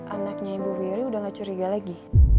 anaknya ibu beri udah gak curiga lagi